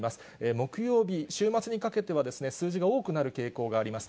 木曜日、週末にかけては、数字が多くなる傾向があります。